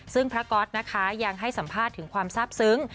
ซึ่งพระก๊อตนะคะยังให้สัมภาษณ์ถึงความทราบซึ้ง